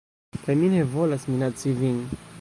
Kaj mi ne volas minaci vin